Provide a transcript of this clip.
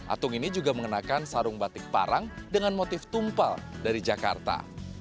atung ini juga mengenakan sarung batik parang dengan motif tumpal dari jakarta